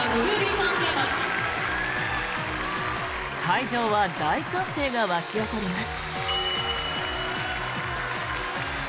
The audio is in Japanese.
会場は大歓声が沸き起こります。